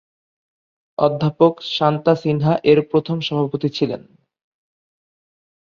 অধ্যাপক শান্তা সিনহা এর প্রথম সভাপতি ছিলেন।